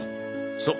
そう。